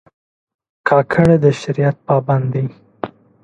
کاکړ د شریعت پابند دي.